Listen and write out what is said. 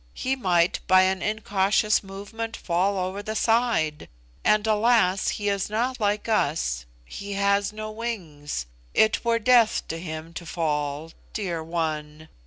He might, by an incautious movement, fall over the side; and alas; he is not like us, he has no wings. It were death to him to fall. Dear one!"